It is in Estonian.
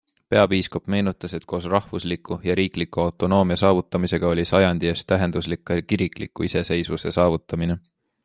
Peapiiskop meenutas, et koos rahvusliku ja riikliku autonoomia saavutamisega oli sajandi eest tähenduslik ka kirikliku iseseisvuse saavutamine.